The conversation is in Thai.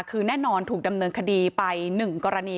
คือแน่นอนถูกดำเนินคดีไป๑กรณี